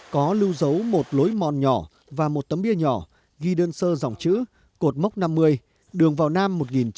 có lưu giấu một lối mòn nhỏ và một tấm bia nhỏ ghi đơn sơ dòng chữ cột mốc năm mươi đường vào nam một nghìn chín trăm bảy mươi